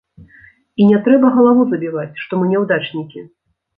І не трэба галаву забіваць, што мы няўдачнікі.